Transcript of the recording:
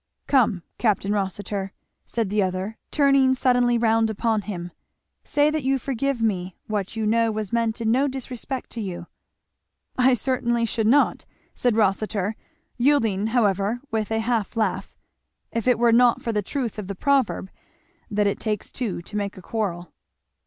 "Come, Capt. Kossitur," said the other turning suddenly round upon him, "say that you forgive me what you know was meant in no disrespect to you?" "I certainly should not," said Rossitur, yielding however with a half laugh, "if it were not for the truth of the proverb that it takes two to make a quarrel."